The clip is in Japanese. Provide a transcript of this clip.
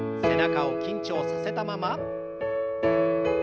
背中を緊張させたまま。